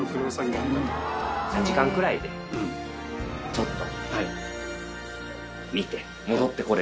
ちょっと。